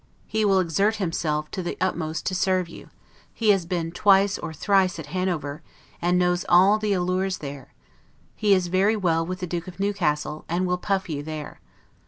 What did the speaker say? He will exert himself to the utmost to serve you; he has been twice or thrice at Hanover, and knows all the allures there: he is very well with the Duke of Newcastle, and will puff you there.